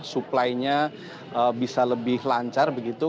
supply nya bisa lebih lancar begitu